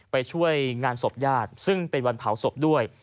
ไปช่วยงานศพญาติซึ่งเป็นวันเผาศพด้วย